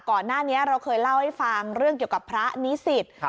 ก่อนหน้านี้เราเคยเล่าให้ฟังเรื่องเกี่ยวกับพระนิสิต